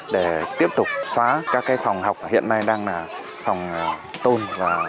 để tiếp tục xóa các phòng học hiện nay đang là phòng tôn